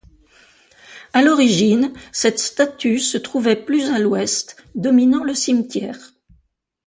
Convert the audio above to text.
À l'origine, cette statue se trouvait plus à l'Ouest, dominant le cimetière.